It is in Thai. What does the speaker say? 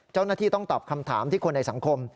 เจ้าหน้าที่ต้องตอบคำถามที่คนในสังคม